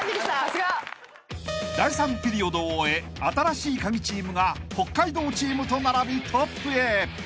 ［第３ピリオドを終え新しいカギチームが北海道チームと並びトップへ］